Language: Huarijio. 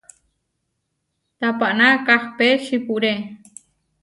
Tapaná kahpé čipúre.